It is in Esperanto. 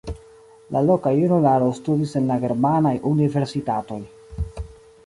La loka junularo studis en la germanaj universitatoj.